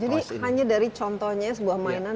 hanya dari contohnya sebuah mainan